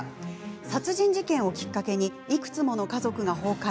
殺人事件をきっかけにいくつもの家族が崩壊。